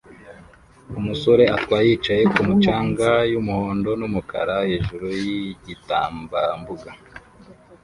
Umusore atwara yicaye kumu canga yumuhondo numukara hejuru yigitambambuga